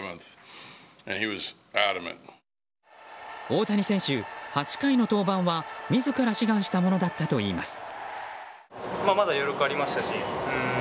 大谷選手、８回の登板は自ら志願したものだったといいます。